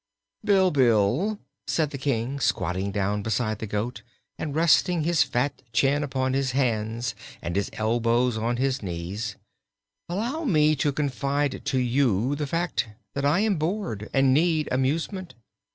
"Bilbil," said the King, squatting down beside the goat and resting his fat chin upon his hands and his elbows on his knees, "allow me to confide to you the fact that I am bored, and need amusement.